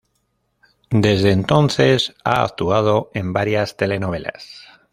Desde entonces, ha actuado en varias telenovelas.